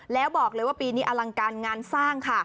แล้วบอกเลยว่าปีนี้อลังการงานสร้างค่ะ